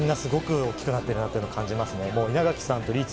みんなすごく大きくなっているなと感じます。